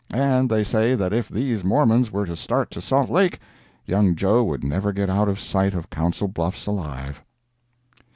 And they say that if these Mormons were to start to Salt Lake, young Joe would never get out of sight of Council Bluffs alive.